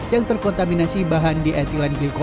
yang terkontaminasi bahan di etilan glikol dan etilan glikol